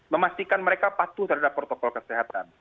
memastikan mereka patuh terhadap protokol kesehatan